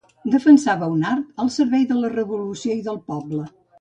Defensava un art al servei de la revolució i del poble.